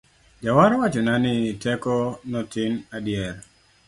Jawar owachona ni teko notin adier